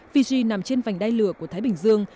fiji nằm trên vành đai lửa của thái bình dương